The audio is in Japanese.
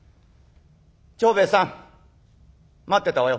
長兵衛さん待ってたわよ」。